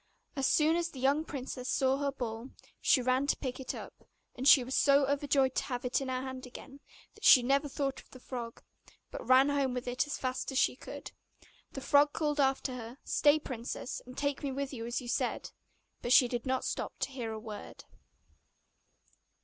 As soon as the young princess saw her ball, she ran to pick it up; and she was so overjoyed to have it in her hand again, that she never thought of the frog, but ran home with it as fast as she could. The frog called after her, 'Stay, princess, and take me with you as you said,' But she did not stop to hear a word.